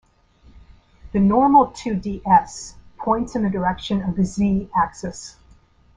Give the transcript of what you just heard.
The normal to d"S" points in the direction of the "z" axis.